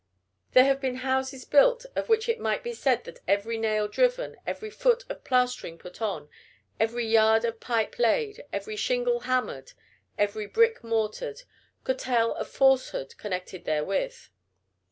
There have been houses built of which it might be said that every nail driven, every foot of plastering put on, every yard of pipe laid, every shingle hammered, every brick mortared, could tell of falsehood connected therewith.